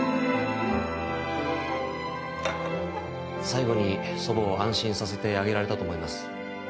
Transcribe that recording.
最期に祖母を安心させてあげられたと思います